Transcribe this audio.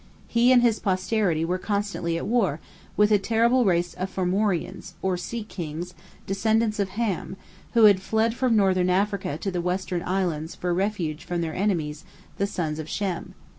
He and his posterity were constantly at war, with a terrible race of Formorians, or Sea Kings, descendants of Ham, who had fled from northern Africa to the western islands for refuge from their enemies, the sons of Shem.